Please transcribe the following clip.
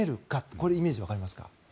これ、イメージわかりますか。